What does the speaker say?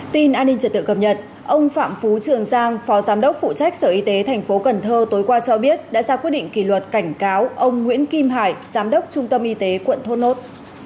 tin an ninh trật tự cập nhật ông phạm phú trường giang phó giám đốc phụ trách sở y tế tp cần thơ tối qua cho biết đã ra quyết định kỷ luật cảnh cáo ông nguyễn kim hải giám đốc trung tâm y tế quận thốt nốt